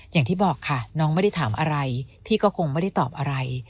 อย่างที่บอกค่ะน้องไม่ได้ถามอะไรพี่ก็คงไม่ได้ตอบอะไร